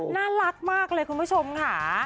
น่ารักมากเลยคุณผู้ชมค่ะ